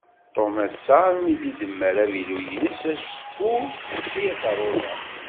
Tom assa armi d-idemmer avilu-ines, acku texsi-yas rruḍa.